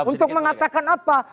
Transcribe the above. untuk mengatakan apa